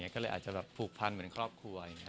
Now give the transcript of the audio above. ก็อาจจะผูกพันเหมือนครอบครัว